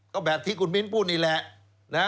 ก็แบบที่คุณมิ้นพูดนี่แหละ